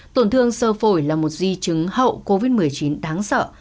tổn thương sơ phổi là một di chứng hậu covid một mươi chín đáng sợ